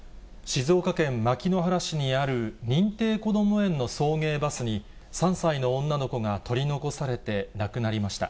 静岡県牧之原市にある認定こども園の送迎バスに、３歳の女の子が取り残されて亡くなりました。